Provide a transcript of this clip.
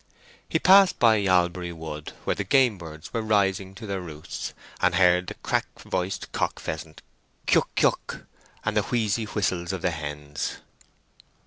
He passed by Yalbury Wood where the game birds were rising to their roosts, and heard the crack voiced cock pheasants "cu uck, cuck," and the wheezy whistle of the hens.